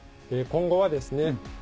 今後はですね